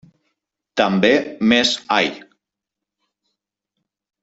També més ai!